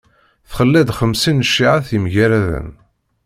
Tḥella-d xemsin n cciεat yemgaraden.